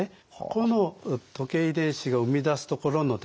この時計遺伝子が生み出すところのですね